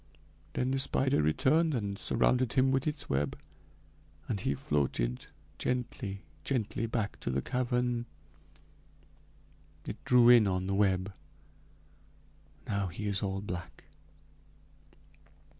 Then the spider returned and surrounded him with its web, and he floated gently, gently, to the back of the cavern. It drew in on the web. Now he is all black."